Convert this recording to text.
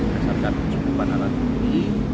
mengesarkan kecukupan alat ini